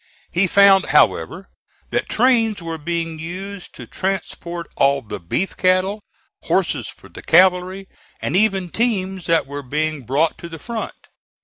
He found, however, that trains were being used to transport all the beef cattle, horses for the cavalry, and even teams that were being brought to the front.